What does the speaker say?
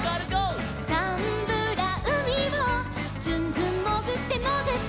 「ザンブラうみをずんずんもぐってもぐって」